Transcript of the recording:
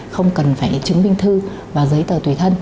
không cần phải chứng minh thư và giấy tờ tùy thân